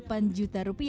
yang diberikan oleh bsu